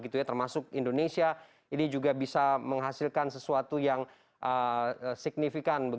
termasuk indonesia ini juga bisa menghasilkan sesuatu yang signifikan